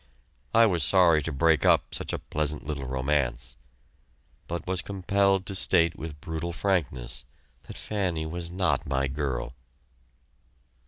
I was sorry to break up such a pleasant little romance, but was compelled to state with brutal frankness that Fanny was not my girl!